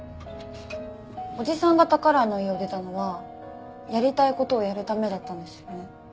おじさんが宝居の家を出たのはやりたい事をやるためだったんですよね？